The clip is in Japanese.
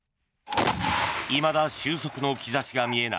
いまだ収束の兆しが見えない